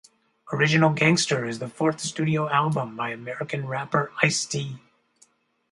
Original Gangster is the fourth studio album by American rapper Ice-T.